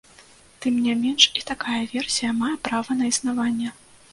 Тым не менш, і такая версія мае права на існаванне.